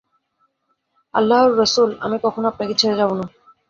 "আল্লাহর রাসুল, আমি কখনো আপনাকে ছেড়ে যাব না"